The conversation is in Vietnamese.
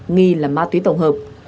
nghi là ma túy tổng hợp